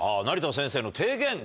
成田先生の提言